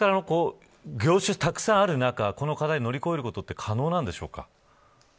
これから、業種がたくさんある中この課題を乗り越えることは可能なんでしょうか。